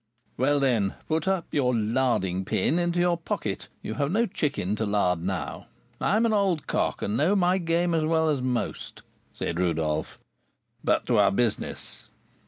"Well, then, put up your 'larding pin' into your pocket; you have no chicken to lard now. I am an old cock, and know my game as well as most," said Rodolph. "But, to our business."